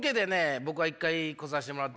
僕は一回来させてもらって。